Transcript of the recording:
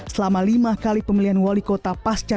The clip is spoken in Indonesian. selama lima kali pemilihan wali kota